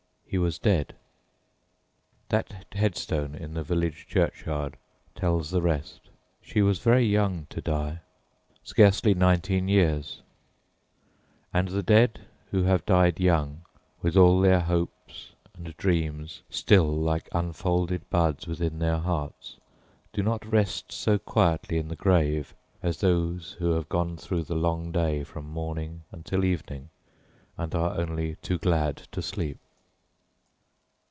He was dead. That headstone in the village churchyard tells the rest. She was very young to die scarcely nineteen years; and the dead who have died young, with all their hopes and dreams still like unfolded buds within their hearts, do not rest so quietly in the grave as those who have gone through the long day from morning until evening and are only too glad to sleep.